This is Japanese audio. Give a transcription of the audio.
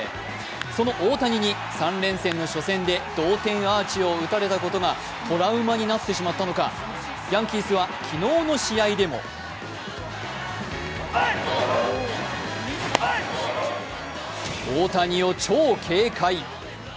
その大谷に３連戦の初戦で同点アーチを打たれたことがトラウマになってしまったのかヤンキースは昨日の試合でも大谷を超警戒。